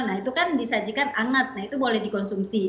nah itu kan disajikan hangat nah itu boleh dikonsumsi